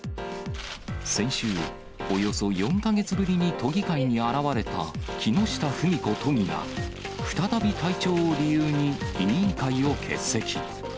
先週、およそ４か月ぶりに都議会に現れた木下富美子都議が、再び体調を理由に、委員会を欠席。